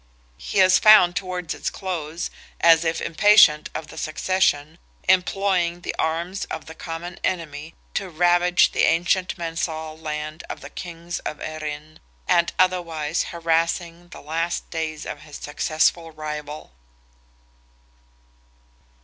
He is found towards its close, as if impatient of the succession, employing the arms of the common enemy to ravage the ancient mensal land of the kings of Erin, and otherwise harassing the last days of his successful rival.